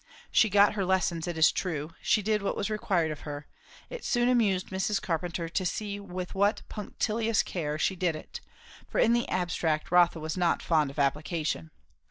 She got her lessons, it is true; she did what was required of her; it soon amused Mrs. Carpenter to see with what punctilious care she did it; for in the abstract Rotha was not fond of application.